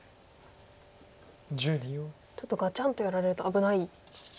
ちょっとガチャンとやられると危ない。